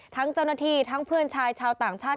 ทั้งเจ้าหน้าที่ทั้งเพื่อนชายชาวต่างชาติ